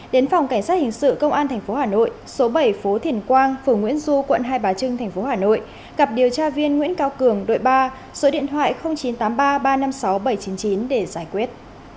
đến phòng cảnh sát hình sự công an tp hà nội số bảy phố thiền quang phường nguyễn du quận hai bà trưng tp hà nội gặp điều tra viên nguyễn cao cường đội ba số điện thoại chín trăm tám mươi ba ba trăm năm mươi sáu bảy trăm chín mươi chín để giải quyết